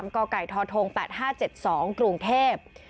กไก่ทท๘๕๗๒กรุงเทพฯ